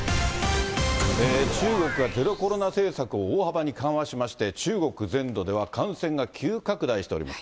中国はゼロコロナ政策を大幅に緩和しまして、中国全土では、感染が急拡大しております。